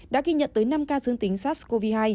đã ghi nhận tới năm ca dương tính sars cov hai